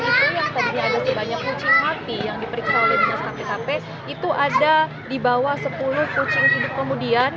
di mana sampel tambahan itu yang tadi ada sebanyak kucing mati yang diperiksa oleh dinas kpkp itu ada di bawah sepuluh kucing hidup kemudian